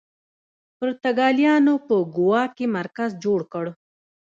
پرتګالیانو په ګوا کې مرکز جوړ کړ.